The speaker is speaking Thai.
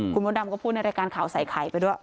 คุณมดดำก็พูดในรายการข่าวใส่ไข่ไปด้วย